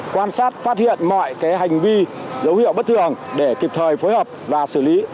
quan sát phát hiện mọi hành vi dấu hiệu bất thường để kịp thời phối hợp và xử lý